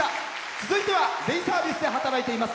続いてはデイサービスで働いています。